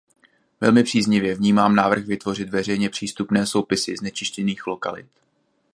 Velmi příznivě vnímám návrh vytvořit veřejně přístupné soupisy znečištěných lokalit.